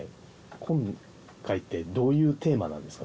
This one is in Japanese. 今回ってどういうテーマなんですか？